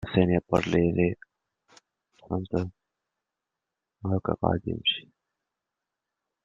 L'album est enregistré les et au Tonstudio Bauer, Ludwigsburg.